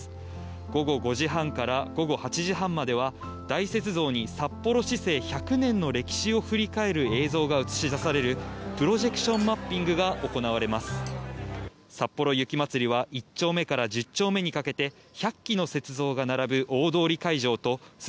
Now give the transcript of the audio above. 午後５時半から午後８時半までは大雪像に札幌市制１００年の歴史を振り返る映像が映し出されるプロジェクションマッピングが行われます。